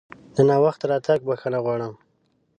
د ناوخته راتګ بښنه غواړم!